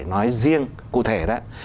nói riêng cụ thể đó